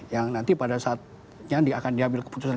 yang nanti pada saatnya akan diambil keputusan